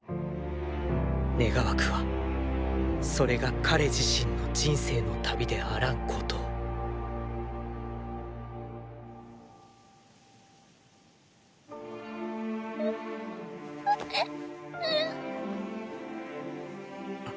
願わくはそれが「彼自身」の人生の旅であらんことをうっうぅっ。